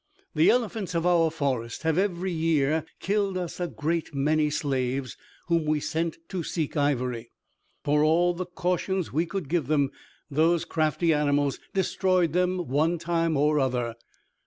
The elephants of our forest have every year killed us a great many slaves, whom we sent to seek ivory. For all the cautions we could give them, those crafty animals destroyed them one time or other.